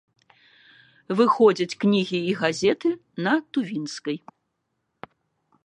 Выходзяць кнігі і газеты на тувінскай.